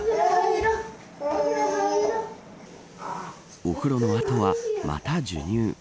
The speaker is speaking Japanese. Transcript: お風呂の後は、また授乳。